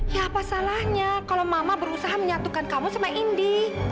ya apa salahnya kalau mama berusaha menyatukan kamu sama indi